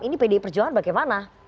ini pdi perjuangan bagaimana